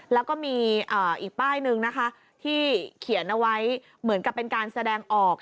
แล้วก็มีอีกป้ายหนึ่งนะคะที่เขียนเอาไว้เหมือนกับเป็นการแสดงออก